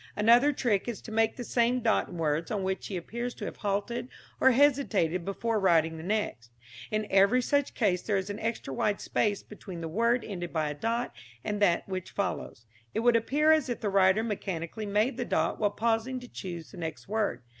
Another trick is to make the same dot in words on which he appears to have halted or hesitated before writing the next. In every such case there is an extra wide space between the word ended by a dot and that which follows. It would appear as if the writer mechanically made the dot while pausing to choose the next word.